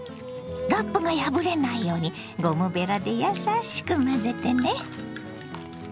ラップが破れないようにゴムべらでやさしく混ぜてね。